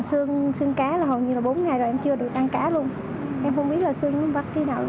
còn xương cá là hầu như là bốn ngày rồi em chưa được ăn cá luôn em không biết là xương nó bắt đi đâu